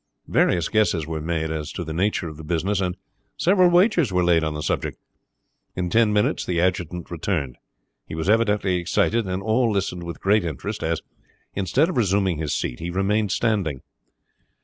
Various guesses were made as to the nature of the business, and several wagers were laid on the subject. In ten minutes the adjutant returned. He was evidently excited, and all listened with great interest as, instead of resuming his seat, he remained standing.